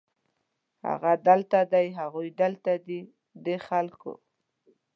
هغه دلته دی، هغوی دلته دي ، دې خلکو